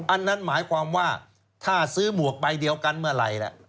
อันนั้นหมายความว่าถ้าซื้อหมวกใบเดียวกันเมื่อไหร่ล่ะ